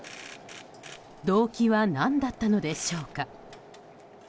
動機は何だったのでしょうか。